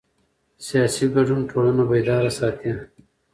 سیاسي ګډون ټولنه بیداره ساتي